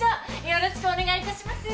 よろしくお願いします。